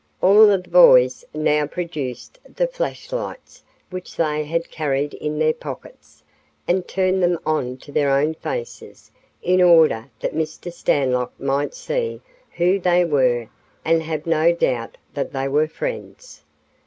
All of the boys now produced the flashlights which they had carried in their pockets and turned them on to their own faces, in order that Mr. Stanlock might see who they were and have no doubt that they were friends.